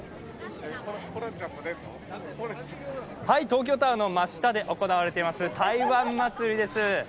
東京タワーの真下で行われています、台湾祭です。